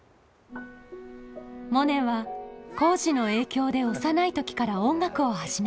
モネは耕治の影響で幼い時から音楽を始め。